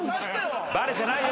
バレてないよ。